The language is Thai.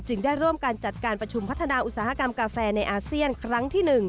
ได้ร่วมการจัดการประชุมพัฒนาอุตสาหกรรมกาแฟในอาเซียนครั้งที่๑